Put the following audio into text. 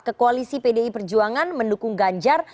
ke koalisi pdi perjuangan mendukung ganjar